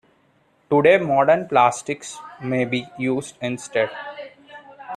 Today, modern plastics may be used instead.